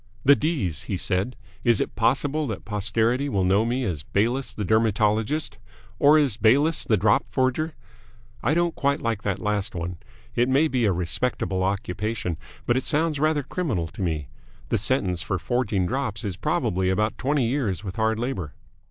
"The D's," he said. "Is it possible that posterity will know me as Bayliss the Dermatologist? Or as Bayliss the Drop Forger? I don't quite like that last one. It may be a respectable occupation, but it sounds rather criminal to me. The sentence for forging drops is probably about twenty years with hard labour."